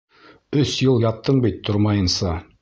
Өс йыл яттың бит тормайынса.